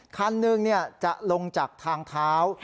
คันหนึ่งจะลงจากทางเท้า